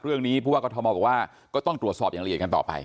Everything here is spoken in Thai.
เรื่องนี้พวกเขาทำว่าก็ต้องตรวจสอบอย่างละเอียดกันต่อไป